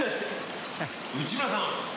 内村さん